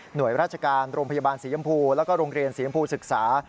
โดยราชการโรงพยาบาลสียำพูแล้วก็โรงเรียนสีชมพูศึกษา